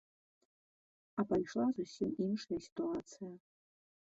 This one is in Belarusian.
А пайшла зусім іншая сітуацыя.